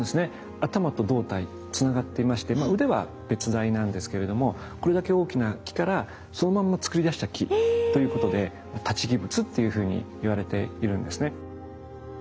頭と胴体つながっていまして腕は別材なんですけれどもこれだけ大きな木からそのまんまつくり出した木ということで「立木仏」っていうふうにいわれているんですね。